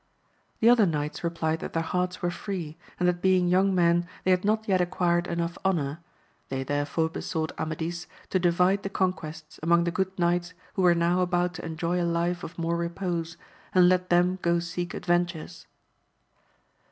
The other knights replied that their hearts were free, and that being young men they had not yet acquired enow honour, they therefore besought Amadis to divide the conquests among the good knights who were now about to enjoy a life of more repose, and let them go seek adventures.